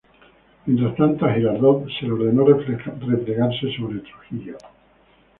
Mientras tanto a Girardot se le ordenó replegarse sobre Trujillo.